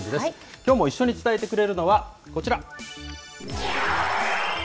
きょうも一緒に伝えてくれるのは、こちら。